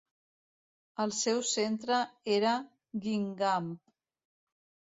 El seu centre era Guingamp.